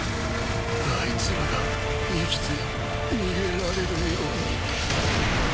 あいつらが生きて逃げられるように。